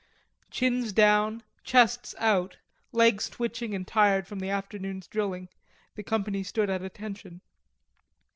Chins down, chests out, legs twitching and tired from the afternoon's drilling, the company stood at attention.